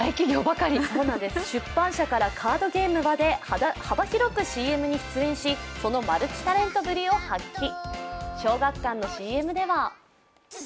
出版社からカードゲームまで幅広くＣＭに出演しそのマルチタレントぶりを発揮。